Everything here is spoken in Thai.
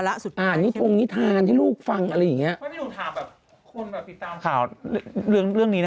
อ่านิทานให้ลูกฟังอะไรอย่างนี้